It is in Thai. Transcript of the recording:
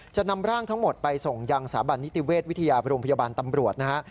จะนำร่างทั้งหมดไปส่งยังสถาบันนิติเวชวิทยาโรงพยาบาลตำรวจนะฮะ